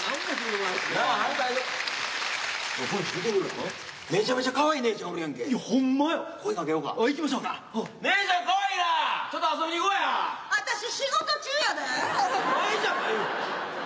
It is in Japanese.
お前じゃないよ。